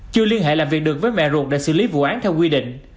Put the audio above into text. chưa liên hệ làm việc được với mẹ ruột để xử lý vụ án theo quy định